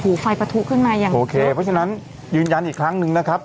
หูไฟประทุเครื่องในอย่างโอเคเพราะฉะนั้นยืนยันอีกครั้งนึงนะครับ